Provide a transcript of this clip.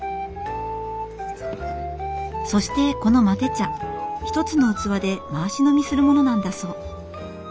そしてこのマテ茶一つの器で回し飲みするものなんだそう。